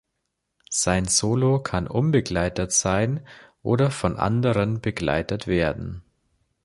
Sein Solo kann unbegleitet sein oder von anderen begleitet werden.